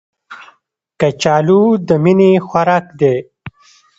کچالو د مینې خوراک دی